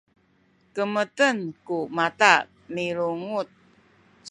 kemeten ku mata milunguc